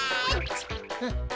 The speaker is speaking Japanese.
フッ。